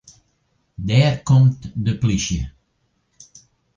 Dêr komt de plysje.